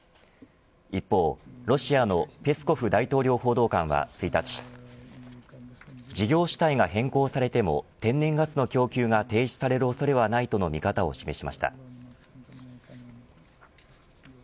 一方、ロシアのペスコフ大統領報道官は１日事業主体が変更されても天然ガスの供給が停止される恐れはないとの見方を示しました。